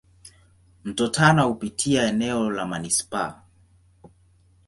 Mto Tana hupitia eneo la manispaa.